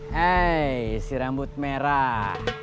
hei si rambut merah